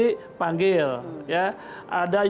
saya sudah menyandarkan